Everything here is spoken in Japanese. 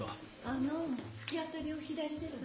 あの突き当たりを左です。